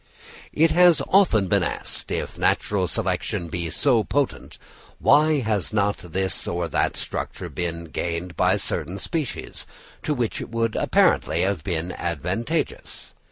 It has often been asked, if natural selection be so potent, why has not this or that structure been gained by certain species, to which it would apparently have been advantageous?